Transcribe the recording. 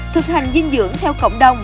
thực hành dinh dưỡng theo cộng đồng